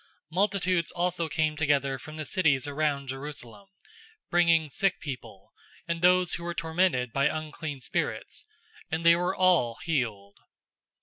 005:016 Multitudes also came together from the cities around Jerusalem, bringing sick people, and those who were tormented by unclean spirits: and they were all healed.